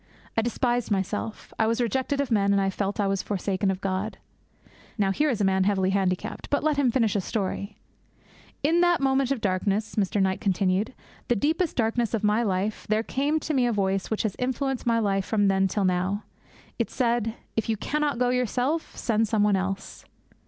I despised myself. I was rejected of men, and I felt that I was forsaken of God.' Now here is a man heavily handicapped; but let him finish his story. 'In that moment of darkness,' Mr. Knight continued, 'the deepest darkness of my life, there came to me a voice which has influenced my life from then till now. It said. "If you cannot go yourself, send some one else."